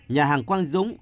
nhà hàng quang dũng